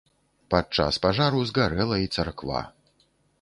Падчас пажару згарэла і царква.